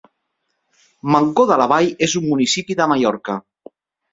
Mancor de la Vall és un municipi de Mallorca.